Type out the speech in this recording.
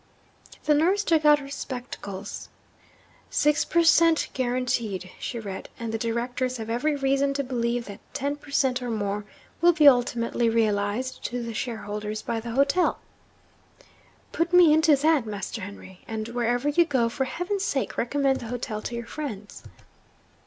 The nurse took out her spectacles. 'Six per cent., guaranteed,' she read; 'and the Directors have every reason to believe that ten per cent., or more, will be ultimately realised to the shareholders by the hotel.' 'Put me into that, Master Henry! And, wherever you go, for Heaven's sake recommend the hotel to your friends!'